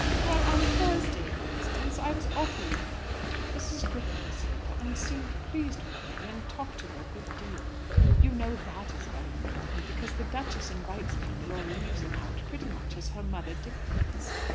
"Well, on Thursday, for instance, I was awfully annoyed. Mrs. Griffin was here, and seemed pleased with May, and talked to her a good deal. You know that is very important, because the duchess invites people or leaves them out pretty much as her mother dictates.